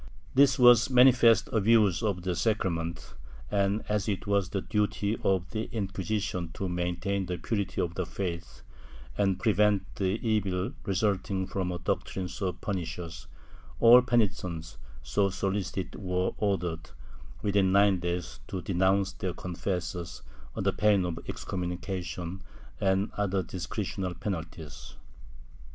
This was a manifest abuse of the sacra ment and, as it was the duty cf the Inquisition to maintain the purity of the faith and prevent the evil resulting from a doctrine so pernicious, all penitents so solicited were ordered, within nine days, to denounce their confessors, under pain of exconnnunica tion and other discretional penalties.